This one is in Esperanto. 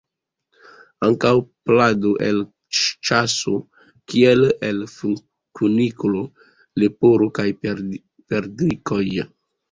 Ankaŭ plado el ĉaso, kiel el kuniklo, leporo kaj perdrikoj.